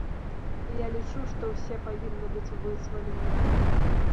Я лічу, што ўсе павінны быць вызваленыя.